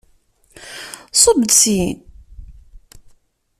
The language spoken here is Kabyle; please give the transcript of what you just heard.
Ṣubb-d syin!